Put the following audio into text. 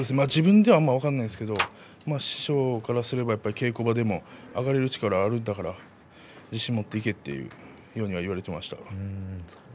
自分では分かりませんけれど師匠からすれば稽古場でも上がれる力はあるんだから自信を持っていけというふうに言われていました。